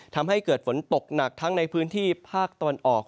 ทำให้เกิดฝนตกหนักทั้งในพื้นที่ภาคตะวันออก